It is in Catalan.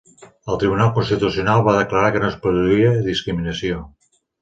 El Tribunal Constitucional va declarar que no es produïa discriminació.